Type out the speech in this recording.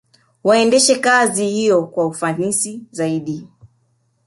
Waendeshe kazi hiyo kwa ufanisi zaidi